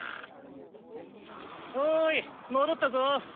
おい戻ったぞ。